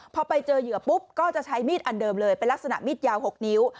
พอไปเจอเหยื่อปุ๊บก็จะใช้มีดอันเดิมเลยเป็นลักษณะมีดยาว๖นิ้ว